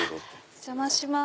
お邪魔します。